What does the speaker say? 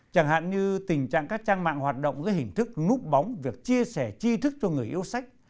chẳng hạn như tình trạng các trang mạng hoạt động dưới hình thức núp bóng việc chia sẻ chi thức cho người yêu sách